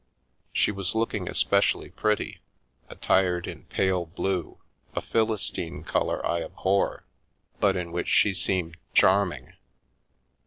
She was looking especially pretty, attired in pale blue, a Philistine colour I abhor, but in which she seemed charming.